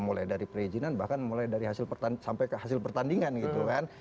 mulai dari perizinan bahkan mulai dari hasil sampai ke hasil pertandingan gitu kan